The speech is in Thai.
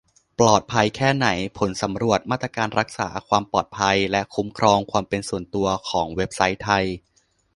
ปลอดภัยแค่ไหน ? : ผลสำรวจมาตรการรักษาความปลอดภัยและคุ้มครองความเป็นส่วนตัวของเว็บไซต์ไทย